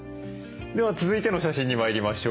では続いての写真に参りましょう。